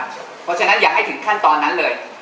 เพราะฉะนั้นอย่าให้ถึงขั้นตอนนั้นเลย